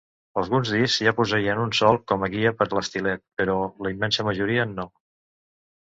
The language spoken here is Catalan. Alguns discs ja posseïen un solc com guia per l'estilet, però la immensa majoria no.